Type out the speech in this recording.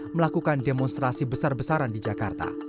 melakukan demonstrasi besar besaran di jakarta